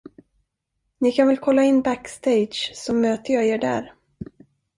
Ni kan väl kolla in backstage så möter jag er där?